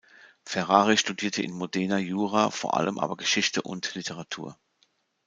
Ferrari studierte in Modena Jura, vor allem aber Geschichte und Literatur.